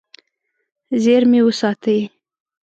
زیرمې وساتي.